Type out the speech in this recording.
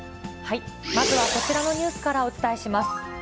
まずはこちらのニュースからお伝えします。